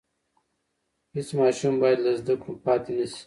هېڅ ماشوم بايد له زده کړو پاتې نشي.